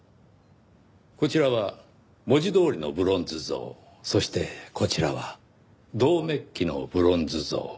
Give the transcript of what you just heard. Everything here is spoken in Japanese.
こちらは文字どおりのブロンズ像そしてこちらは銅メッキのブロンズ像。